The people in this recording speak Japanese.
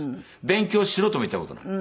勉強しろとも言った事ない。